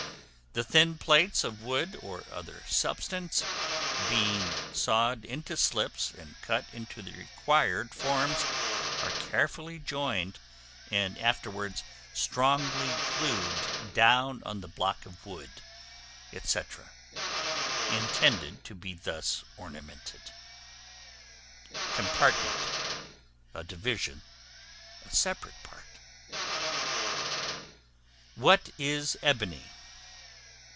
The thin plates of wood or other substance, being sawed into slips, and cut into the required forms, are carefully joined, and afterwards strongly glued down on the block of wood, &c., intended to be thus ornamented. Compartment, a division, a separate part. What is Ebony?